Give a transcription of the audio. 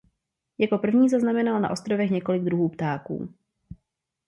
Jako první zaznamenal na ostrovech několik druhů ptáků.